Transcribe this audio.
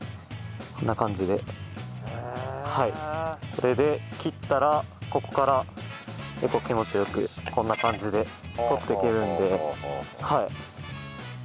これで切ったらここから結構気持ち良くこんな感じで取っていけるんで。